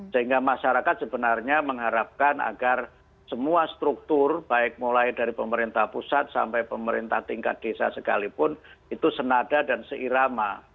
sehingga masyarakat sebenarnya mengharapkan agar semua struktur baik mulai dari pemerintah pusat sampai pemerintah tingkat desa sekalipun itu senada dan seirama